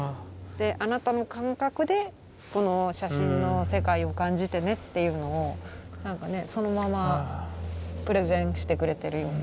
であなたの感覚でこの写真の世界を感じてねっていうのをなんかねそのままプレゼンしてくれてるような。